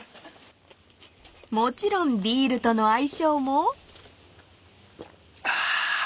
［もちろんビールとの相性も］あ。